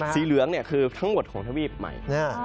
สีเหลืองคือทั้งหมดของทวีปใหม่